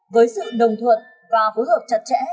với sự đồng thuận và phối hợp chặt chẽ